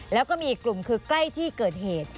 แล้วก็มีอีกกลุ่มคือใกล้ที่เกิดเหตุ